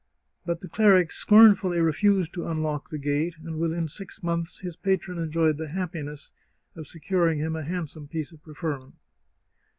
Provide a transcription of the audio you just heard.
But the cleric scornfully refused to unlock the gate, and within six months his patron enjoyed the happiness of se curing him a handsome piece of preferment.